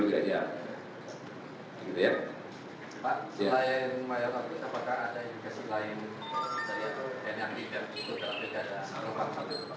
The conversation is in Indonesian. pak selain mayapapu apakah ada edukasi lain dari tni yang tidak cukup terhadap kejadian harapan